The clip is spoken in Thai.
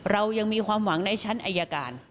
เรายังมีความหวังในชั้นอายการ